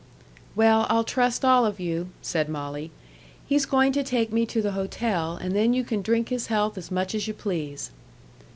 "Well, I'll trust all of you," said Molly. "He's going to take me to the hotel, and then you can drink his health as much as you please."